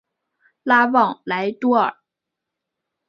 拉旺莱多尔。